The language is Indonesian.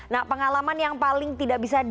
nah pengalaman yang paling tidak bisa